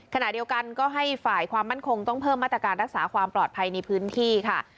ขณะเดียวกันก็ให้ฝ่ายความมั่นคงต้องเพิ่มมาตรการรักษาความปลอดภัยในพื้นที่ค่ะ